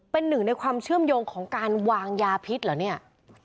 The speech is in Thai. เป็นหนึ่งในความเชื่อมโยงของการวางยาพิษเหรอเนี่ย